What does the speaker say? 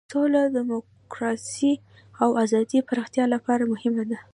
سوله د دموکراسۍ او ازادۍ پراختیا لپاره مهمه ده.